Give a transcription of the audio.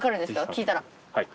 聞いたら。